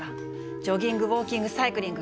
ジョギングウォーキングサイクリング。